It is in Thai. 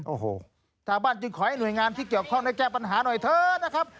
โอ้โหชาวบ้านจึงขอให้หน่วยงานที่เกี่ยวข้องได้แก้ปัญหาหน่อยเถอะนะครับ